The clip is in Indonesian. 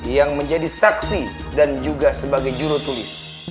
yang menjadi saksi dan juga sebagai jurutulis